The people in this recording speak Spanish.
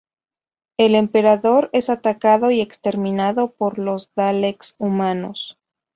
El Emperador es atacado y exterminado por los Daleks humanos.